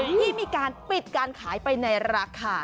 ที่มีการปิดการขายไปในราคา